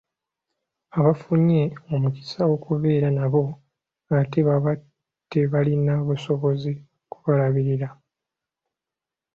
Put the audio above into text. Abafunye omukisa okubeera nabo ate baba tebalina busobozi kubalabirira.